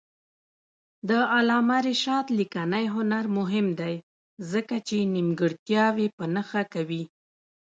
د علامه رشاد لیکنی هنر مهم دی ځکه چې نیمګړتیاوې په نښه کوي.